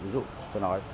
ví dụ tôi nói